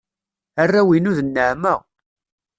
Arraw-inu d nneɛma.